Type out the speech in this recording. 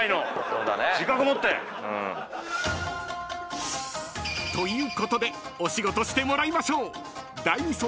［ということでお仕事してもらいましょう］